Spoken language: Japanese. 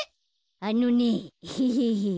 あのねヘヘヘ。